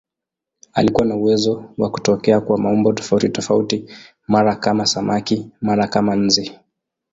Alikuwa na uwezo wa kutokea kwa maumbo tofautitofauti, mara kama samaki, mara kama nzi.